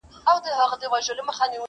چا توپکونه چا واسکټ چا طیارې راوړي!